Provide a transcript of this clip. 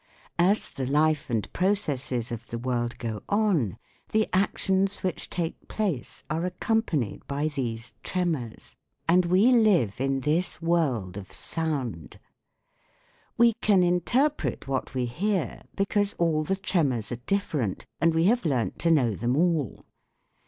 As the life and processes of the world go on the actions which take place are accompanied by these tremors, and we live in WHAT IS SOUND? this world of sound. We can interpret what we hear because all the tremors are different and we have learnt to know them all.